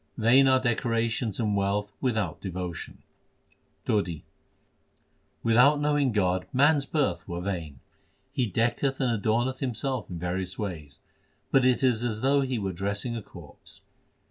Vain are decorations and wealth without devo tion : TODI Without knowing God man s birth were vain : He decketh and adorneth himself in various ways, but it is as though he were dressing a corpse.